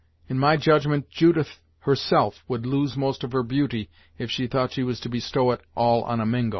In my judgment Judith, herself, would lose most of her beauty if she thought she was to bestow it all on a Mingo!